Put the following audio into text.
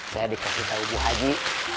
saya dikasih tau bu haji